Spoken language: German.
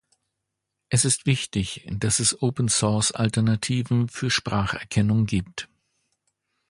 Es ist wichtig, dass es Open Source Alternativen für Spracherkennung gibt.